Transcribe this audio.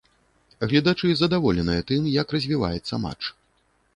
Гледачы задаволеныя тым, як развіваецца матч.